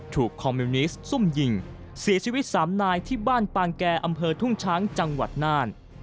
คอมมิวนิสต์ซุ่มยิงเสียชีวิต๓นายที่บ้านปางแก่อำเภอทุ่งช้างจังหวัดน่าน